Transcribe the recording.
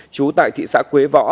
chú tại thị xã quế võ